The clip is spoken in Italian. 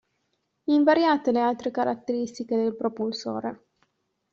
Invariate le altre caratteristiche del propulsore.